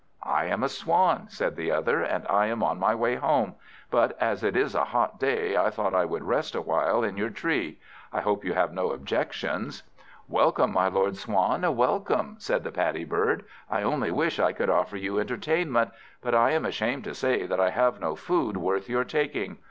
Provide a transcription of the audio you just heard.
"I am a Swan," said the other, "and I am on my way home; but as it is a hot day, I thought I would rest awhile on your tree. I hope you have no objection?" "Welcome, my lord Swan, welcome!" said the Paddy bird. "I only wish I could offer you entertainment. But I am ashamed to say that I have no food worth your taking.